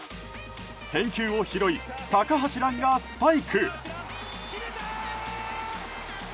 返球を拾い、高橋藍がスパイク！